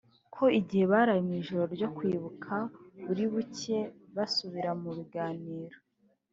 ko igihe baraye mu ujoiro ryo kwibuka buri buke basubira mu biganiro